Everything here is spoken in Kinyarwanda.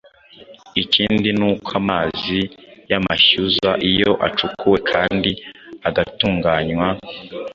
Ikindi ni uko amazi y’amashyuza iyo acukuwe kandi agatunganywa